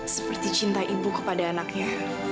seperti cinta ibu kepada anaknya